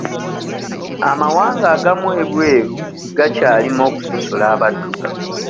Amawanga agamu ebweru gakyalimu okusosola abaddugavu.